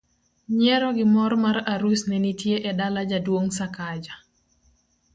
nyiero gi mor mar arus ne nitie e dala jaduong' Sakaja